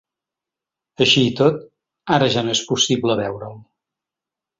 Així i tot, ara ja no és possible veure’l.